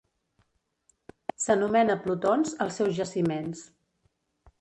S’anomena plutons als seus jaciments.